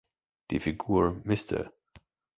Die Figur "Mr.